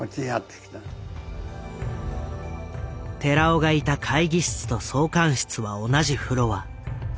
寺尾がいた会議室と総監室は同じフロア。